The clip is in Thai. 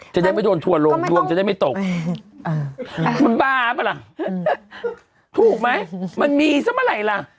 จะได้ไม่โดนทัวร์ลงดวงจะได้ไม่ตกมันบ้าป่ะล่ะถูกไหมมันมีซะเมื่อไหร่ล่ะ